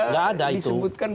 tidak ada itu